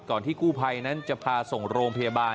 ที่กู้ภัยนั้นจะพาส่งโรงพยาบาล